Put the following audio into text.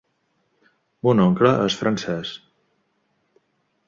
Mon oncle és francés.